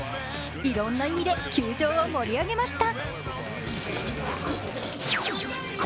いろんな意味で球場を盛り上げました。